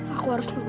aku harus pergi